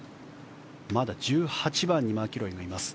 まだ１８番にマキロイがいます。